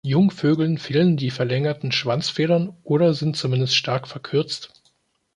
Jungvögeln fehlen die verlängerten Schwanzfedern oder sind zumindest stark verkürzt.